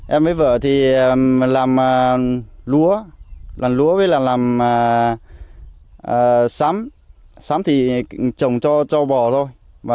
em với vợ thì làm lúa làm lúa với làm xám xám thì trồng cho bò thôi